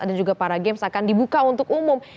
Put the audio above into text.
juga para games akan dibuka untuk umum